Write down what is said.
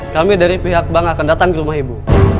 kami dari pihak bank akan datang ke rumah ibu